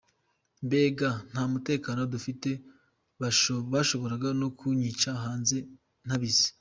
Mbega nta mutekano dufite bashoboraga no kunyicira hanze ntabizi.